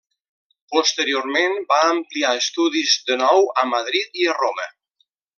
Posteriorment va ampliar estudis de nou a Madrid i a Roma.